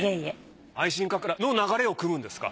愛新覚羅の流れをくむんですか？